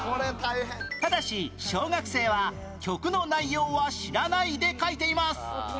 ただし小学生は曲の内容は知らないで描いています